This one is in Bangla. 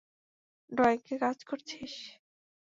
ডয়েঙ্কে কাজ করছিস?